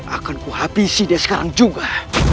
akanku habisi dia sekarang juga